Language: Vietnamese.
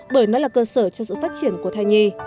bởi nó là cơ sở cho sự phát triển của thai nhi